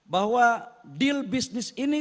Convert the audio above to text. bahwa deal bisnis ini